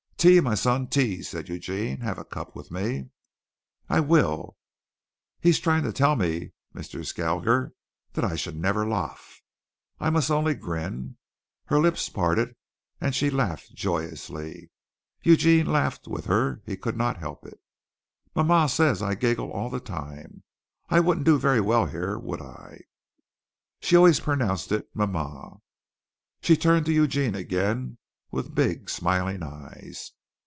"Tea, my son, tea!" said Eugene. "Have a cup with me?" "I will." "He's trying to tell me, Mr. Skalger, that I should never laaf. I must only grin." Her lips parted and she laughed joyously. Eugene laughed with her. He could not help it. "Ma ma´ says I giggle all the time. I wouldn't do very well here, would I?" She always pronounced it "ma ma´." She turned to Eugene again with big smiling eyes.